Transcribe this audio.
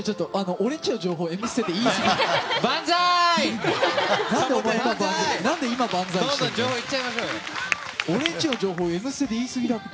俺の家の情報「Ｍステ」で言いすぎだって。